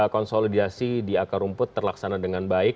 konsolidasi di akar rumput terlaksana dengan baik